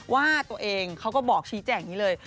ว่าตัวเองเขาก็บอกชี้แจ้งอย่างนี้เลย